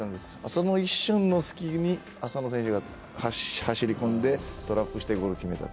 その一瞬の隙に浅野選手が走り込んでトラップしてゴールを決めた。